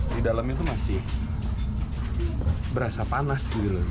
di dalamnya tuh masih berasa panas gitu